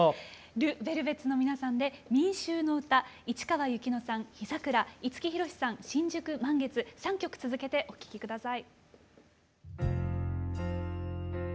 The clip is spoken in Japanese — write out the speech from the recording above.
ＬＥＶＥＬＶＥＴＳの皆さんで「民衆の歌」市川由紀乃さん「秘桜」五木ひろしさん「新宿満月」３曲続けてお聴き下さい。